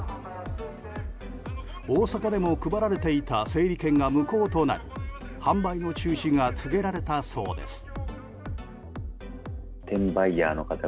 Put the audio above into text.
大阪でも配られていた整理券が無効となり販売の中止が告げられたそうです。